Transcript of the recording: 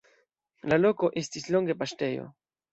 La loko estis longe paŝtejo.